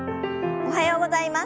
おはようございます。